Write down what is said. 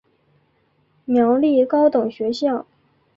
苗栗高等学校